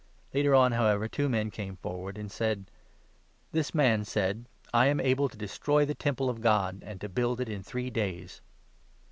Later on, however, two men came forward and 61 said :" This man said ' I am able to destroy the Temple of God, and to build it in three days.'"